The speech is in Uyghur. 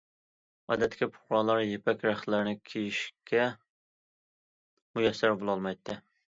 ئادەتتىكى پۇقرالار يىپەك رەختلەرنى كىيىشكە مۇيەسسەر بولالمايتتى.